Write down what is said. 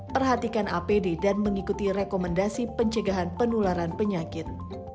perhatikan apd dan mengikuti rekomendasi pencegahan penularan penyakit